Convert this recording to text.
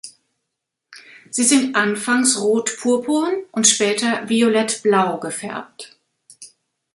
Sie sind anfangs rot-purpurn und später violettblau gefärbt.